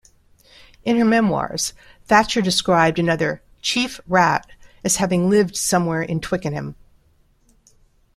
In her memoirs, Thatcher described another "Chief Rat" as having lived somewhere in Twickenham.